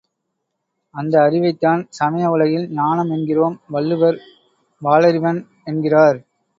அந்த அறிவைத்தான் சமய உலகில் ஞானம் என்கிறோம் வள்ளுவர் வாலறிவன் என்கிறார்.